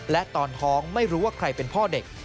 และตอนท้องไม่รู้ว่าใครเป็นพ่อเด็ก